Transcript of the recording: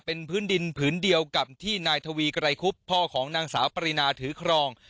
เป็นพื้นดินผืนเดียวกับที่นายทวีไกรคุบพ่อของนางสาวปรินาถือครอง